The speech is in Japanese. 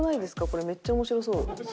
これめっちゃ面白そう。